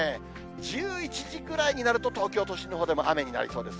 １１時ぐらいになると、東京都心のほうでも雨になりそうです。